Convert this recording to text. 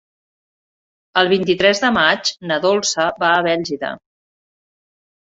El vint-i-tres de maig na Dolça va a Bèlgida.